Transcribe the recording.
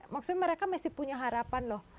maksudnya mereka masih punya harapan loh